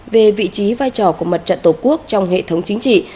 về vị trí vai trò của mặt trận tổ quốc trong hệ thống chính trị